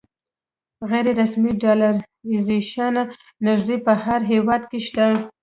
غیر رسمي ډالرایزیشن نږدې په هر هېواد کې شته.